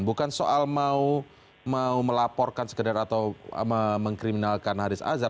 bukan soal mau melaporkan sekedar atau mengkriminalkan haris azhar